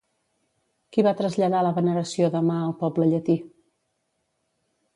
Qui va traslladar la veneració de Ma al poble llatí?